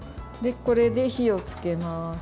これで火をつけます。